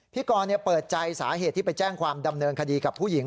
กรเปิดใจสาเหตุที่ไปแจ้งความดำเนินคดีกับผู้หญิง